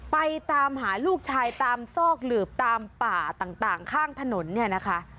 ไปตามหาลูกชายตามซอกหลืบตามป่าต่างข้างถนนเนี่ยนะคะ